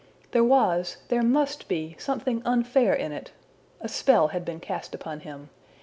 There was, there must be, something unfair in it! A spell had been cast upon him!